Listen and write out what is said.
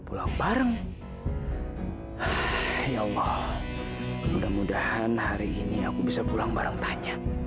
sampai jumpa di video selanjutnya